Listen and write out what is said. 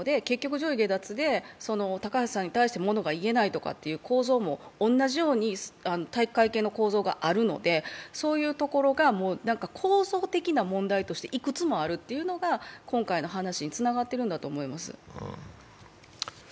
スポーツビジネスに関わっている方も体育会系の方が多いので結局上意下達で高橋さんに意見が言えないという構造も同じように体育会系の構造があるので、そういうところが構造的な問題としていくつもあるというのが今回の話につながっているんだと思います。